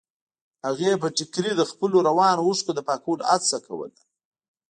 هغې په ټيکري د خپلو روانو اوښکو د پاکولو هڅه کوله.